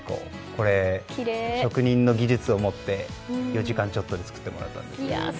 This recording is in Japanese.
これ、職人の技術を持って４時間ちょっとで作ってもらったんです。